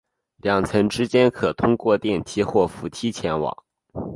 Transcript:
两层之间可通过电梯或扶梯前往。